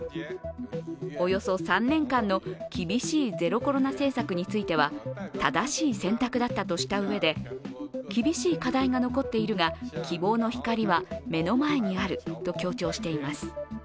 およそ３年間の厳しいゼロコロナ政策については正しい選択だったとした上で、厳しい課題が残っているが希望の光は目の前にあると強調しています。